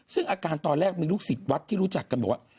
ซึ่งอาการตอนแรกมีลูกศิษย์วัดที่รู้จักกันบอกว่า